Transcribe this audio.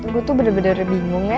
aku tuh bener bener bingung ya